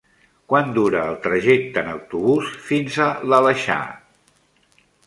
Quant dura el trajecte en autobús fins a l'Aleixar?